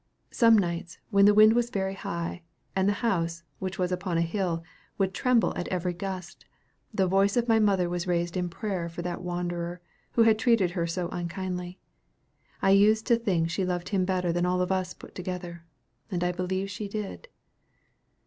Some nights, when the wind was very high, and the house, which was upon a hill, would tremble at every gust, the voice of my mother was raised in prayer for that wanderer, who had treated her so unkindly. I used to think she loved him better than all of us put together, and I believe she did.